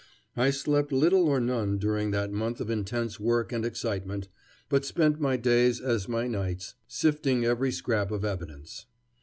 I slept little or none during that month of intense work and excitement, but spent my days as my nights sifting every scrap of evidence.